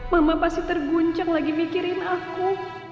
mama pasti terguncang lagi mikirin aku